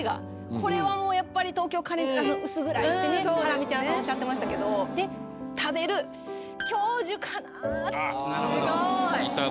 これはもうやっぱり「東京カレンダー」「薄暗い」ってねハラミちゃんさんおっしゃってましたけど食べる「享受」かなスゴい！